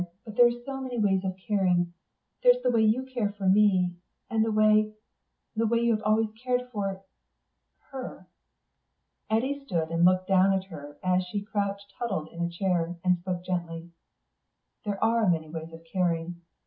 but there are so many ways of caring. There's the way you care for me ... and the way ... the way you've always cared for ... her...." Eddy stood and looked down at her as she crouched huddled in a chair, and spoke gently. "There are many ways of caring.